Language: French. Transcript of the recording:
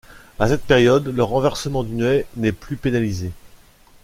À cette période, le renversement d'une haie n'est plus pénalisé.